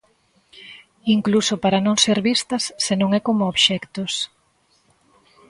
Incluso para non ser vistas se non é como obxectos.